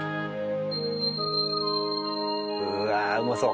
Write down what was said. うわうまそう。